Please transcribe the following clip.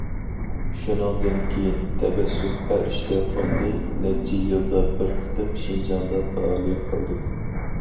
شۇنىڭدىن كېيىن،‹‹ تەبەسسۇم پەرىشتە فوندى›› نەچچە يىلدا بىر قېتىم شىنجاڭدا پائالىيەت قىلدى.